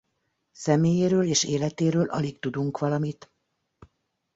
Személyéről és életéről alig tudunk valamit.